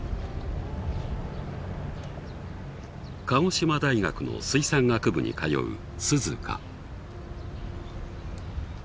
鹿児島大学の水産学部に通う涼夏。